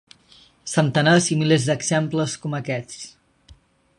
Centenars i milers d’exemples com aquests.